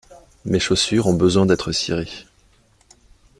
Mes chaussures ont besoin d'être cirées.